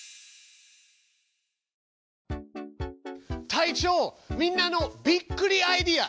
隊長みんなの「びっくりアイデア」